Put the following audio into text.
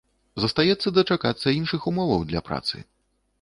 Застаецца дачакацца іншых умоваў для працы.